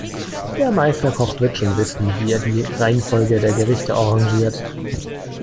Der Meisterkoch wird schon wissen, wie er die Reihenfolge der Gerichte arrangiert.